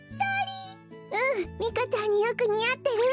うんミカちゃんによくにあってる。